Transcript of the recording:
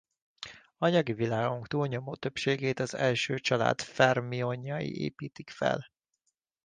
Anyagi világunk túlnyomó többségét az első család fermionjai építik fel.